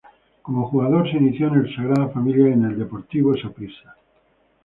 Como jugador se inició en el Sagrada Familia y el Deportivo Saprissa.